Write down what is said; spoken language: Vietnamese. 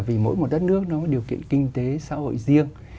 vì mỗi một đất nước nó có điều kiện kinh tế xã hội riêng